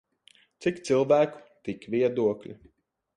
Cik cilvēku tik viedokļu.